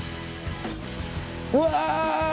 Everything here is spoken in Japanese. うわ！